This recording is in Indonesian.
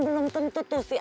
belum tentu tuh sih